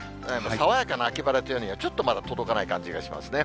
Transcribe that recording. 爽やかな秋晴れというにはちょっとまだ届かない感じがしますね。